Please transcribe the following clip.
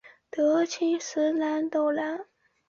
德钦石豆兰为兰科石豆兰属下的一个种。